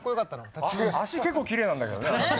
足結構きれいなんだけどね。